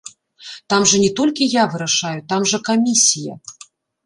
Там жа не толькі я вырашаю, там жа камісія.